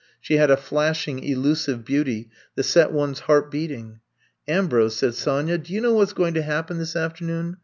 She had a flashing, elusive beauty that set one 's heart beating. Ambrose,*^ said Sonya, do you know what ^s going to happen this afternoon?